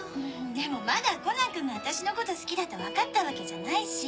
でもまだコナンくんが私のこと好きだと分かったわけじゃないし。